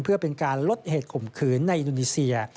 เพื่อเป็นการลดเหตุข่มขืนในอินโดนีเซีย